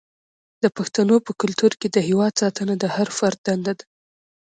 د پښتنو په کلتور کې د هیواد ساتنه د هر فرد دنده ده.